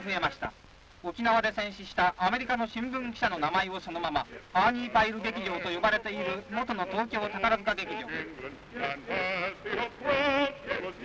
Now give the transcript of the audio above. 沖縄で戦死したアメリカの新聞記者の名前をそのままアーニーパイル劇場と呼ばれている元の東京宝塚劇場」。